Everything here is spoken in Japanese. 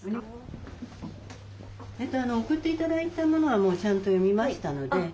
送って頂いたものはもうちゃんと読みましたので。